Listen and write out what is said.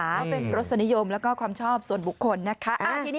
ก็เป็นรสนิยมแล้วก็ความชอบส่วนบุคคลนะคะ